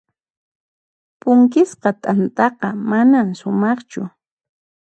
Punkisqa t'antaqa manan sumaqchu.